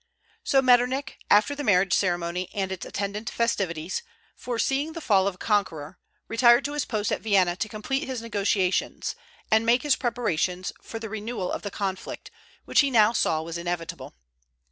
So Metternich, after the marriage ceremony and its attendant festivities, foreseeing the fall of the conqueror, retired to his post at Vienna to complete his negotiations, and make his preparations for the renewal of the conflict, which he now saw was inevitable.